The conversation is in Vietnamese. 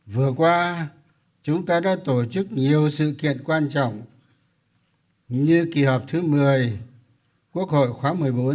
vừa qua chúng ta đã tổ chức nhiều sự kiện quan trọng như kỳ họp thứ một mươi quốc hội khóa một mươi bốn